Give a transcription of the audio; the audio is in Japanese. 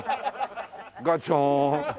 ガチョン。